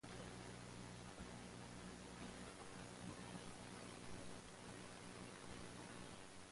Jef Whitehead of black metal band Leviathan painted the cover artwork for the album.